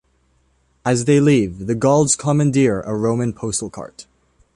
As they leave, the Gauls commandeer a Roman postal cart.